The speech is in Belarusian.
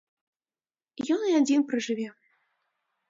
Ён і адзін пражыве.